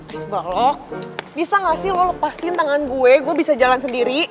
is baklok bisa gak sih lo lepasin tangan gue gue bisa jalan sendiri